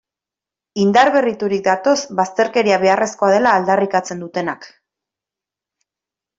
Indar berriturik datoz bazterkeria beharrezkoa dela aldarrikatzen dutenak.